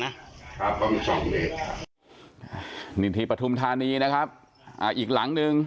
ครับสองเมตรครับนิดนี้ประทุมธานีนะครับอ่าอีกหลังหนึ่ง